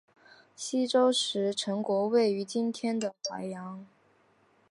西周时陈国位于今天的淮阳。